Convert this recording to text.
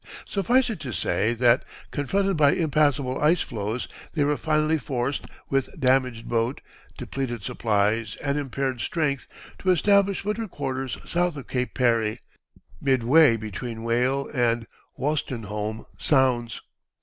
Suffice it to say that, confronted by impassable ice floes, they were finally forced, with damaged boat, depleted supplies, and impaired strength, to establish winter quarters south of Cape Parry, midway between Whale and Wostenholme Sounds.